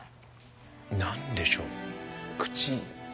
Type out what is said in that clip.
何でしょう。